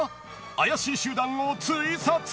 怪しい集団をツイサツ！］